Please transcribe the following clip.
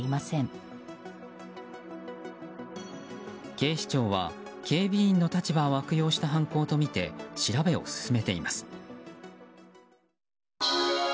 警視庁は警備員の立場を悪用した犯行とみて調べを進めています。